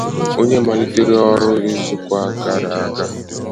onye malitere ọrụ n'izuụka gara aga